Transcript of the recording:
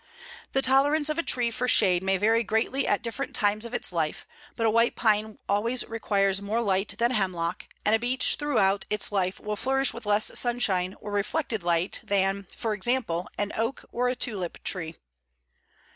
The tolerance of a tree for shade may vary greatly at different times of its life, but a white pine always requires more light than a hemlock, and a beech throughout its life will flourish with less sunshine or reflected light than, for example, an oak or a tulip tree.